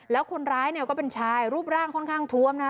แล้วคนร้ายเนี่ยก็เป็นชายรูปร่างค่อนข้างท้วมนะ